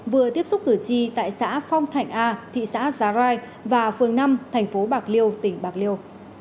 vừa tiếp xúc cử tri tại xã phong thành a thị xã giá rai và phường năm thành phố bạc liêu tỉnh bạc liêu